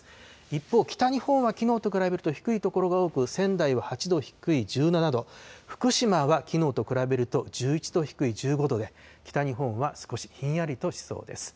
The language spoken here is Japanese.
一方、北日本はきのうと比べると低い所が多く、仙台は８度低い１７度、福島はきのうと比べると１１度低い１５度で、北日本は少しひんやりとしそうです。